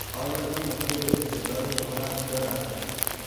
آیا این نکته به استدلال شما ربطی دارد؟